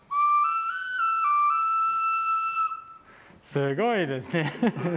すごいですね。